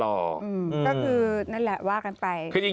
ก็คือนั่นแหละว่ากันไป